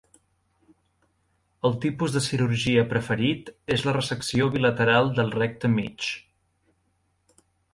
El tipus de cirurgia preferit és la resecció bilateral del recte mig.